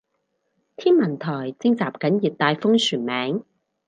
天文台徵集緊熱帶風旋名